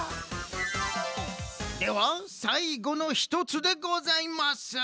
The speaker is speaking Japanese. ではさいごの１つでございます。